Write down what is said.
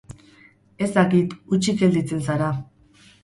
Ez dakit, hutsik gelditzen zara.